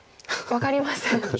分かりません。